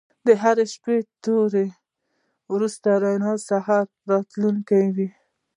د هرې تورې شپې وروسته روڼ سهار راتلونکی وي.